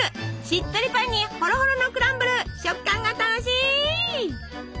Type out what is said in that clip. しっとりパンにホロホロのクランブル食感が楽しい！